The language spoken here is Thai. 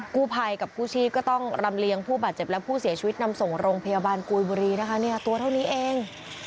กู้ภัยกับกู้ชีพก็ต้องรำเลียงผู้บาดเจ็บและผู้เสียชีวิตนำส่งโรงพยาบาลกุยบุรีนะคะเนี่ยตัวเท่านี้เอง